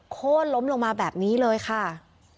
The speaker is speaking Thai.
โค้นล้มลงมาแบบนี้เลยค่ะ